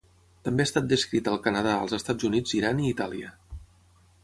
També ha estat descrita al Canadà, els Estats Units, Iran i Itàlia.